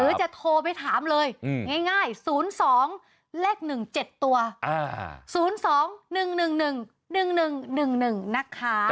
จะโทรไปถามเลยง่าย๐๒เลข๑๗ตัว๐๒๑๑๑๑๑๑๑๑๑๑นะคะ